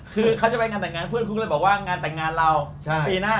คือเขาจะไปงานแต่งงานเพื่อนเขาเลยบอกว่างานแต่งงานเราปีหน้า